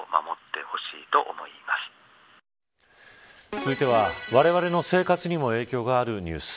続いては、われわれの生活にも影響があるニュース。